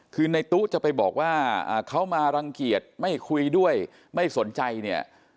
คือในตู้จะไปบอกว่าเขามารังเกียจไม่คุยด้วยไม่สนใจเนี่ย